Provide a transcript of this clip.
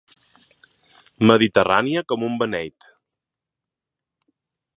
Mediterrània com un beneit.